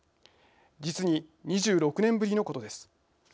実に２６年ぶりのことです。